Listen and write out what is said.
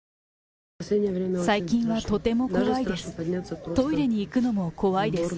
最近はとても怖いです。